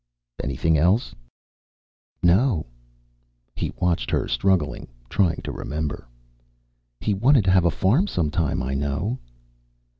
"Anything else?" "No." He watched her struggling, trying to remember. "He wanted to have a farm, sometime, I know."